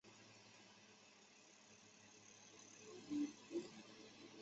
福建柏是柏科福建柏属唯一物种。